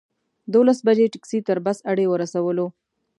دولس بجې ټکسي تر بس اډې ورسولو.